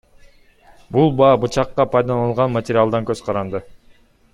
Бул баа бычакка пайдаланылган материалдан көз каранды.